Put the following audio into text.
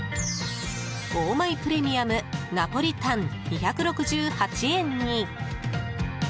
オーマイプレミアムナポリタン、２６８円に。